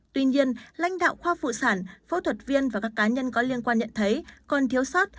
tuy nhiên lãnh đạo khoa phụ sản phẫu thuật viên và các cá nhân có liên quan nhận thấy còn thiếu sót